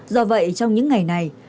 do vậy trong những ngày này